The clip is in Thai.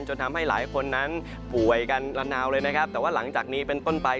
ทำให้หลายคนนั้นป่วยกันละนาวเลยนะครับแต่ว่าหลังจากนี้เป็นต้นไป